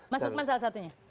mas udman salah satunya